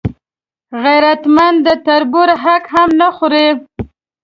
غیرتمند د تربور حق هم نه خوړوي